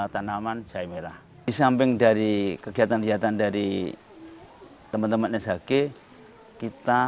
tanaman jahe merah di samping dari kegiatan kegiatan dari teman teman shg kita